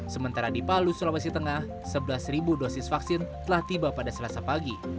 sementara di palu sulawesi tengah sebelas dosis vaksin telah tiba pada selasa pagi